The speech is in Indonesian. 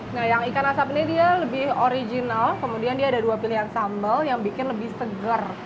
nah yang ikan asap ini dia lebih original kemudian dia ada dua pilihan sambal yang bikin lebih seger